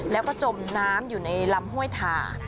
แล้วก็จมน้ำอยู่ในลำห้วยถ่า